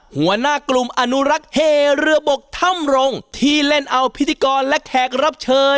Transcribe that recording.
หัวหน้ากลุ่มอนุรักษ์เฮเรือบกถ้ำรงที่เล่นเอาพิธีกรและแขกรับเชิญ